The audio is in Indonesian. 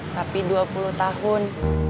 tapi dua puluh tahun